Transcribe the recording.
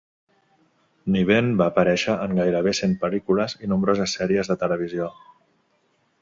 Niven va aparèixer en gairebé cent pel·lícules i nombroses sèries de televisió.